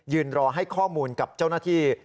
รอให้ข้อมูลกับเจ้าหน้าที่